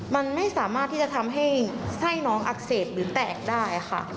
มันไม่สามารถที่จะทำให้ไส้น้องอักเสบหรือแตกได้ค่ะ